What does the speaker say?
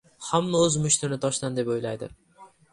• Hamma o‘z mushtini toshdan deb o‘ylaydi.